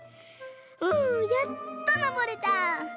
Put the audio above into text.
うんやっとのぼれた。